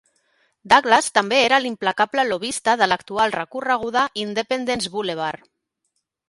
Douglas també era l'implacable lobbista de l'actual recorreguda Independence Boulevard.